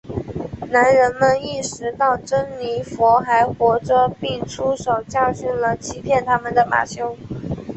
男人们意识到珍妮佛还活着并出手教训了欺骗他们的马修。